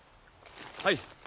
はい。